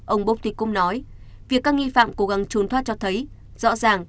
ông booktikum nói việc các nghi phạm cố gắng trốn thoát cho thấy rõ ràng